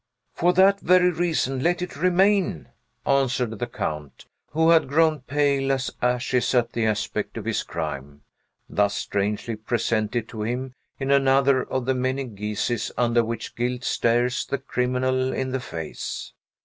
"For that very reason, let it remain!" answered the Count, who had grown pale as ashes at the aspect of his crime, thus strangely presented to him in another of the many guises under which guilt stares the criminal in the face.